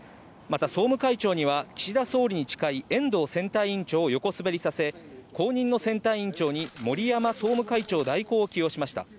総務会長には岸田総理に近い遠藤選対委員長を横滑りさせ、後任の選対委員長に森山総務会長代行を起用しました。